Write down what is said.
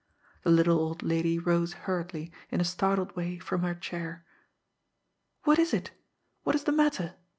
The little old lady rose hurriedly, in a startled way, from her chair. "What is it? What is the matter?"